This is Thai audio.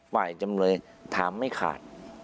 จำเลยถามไม่ขาด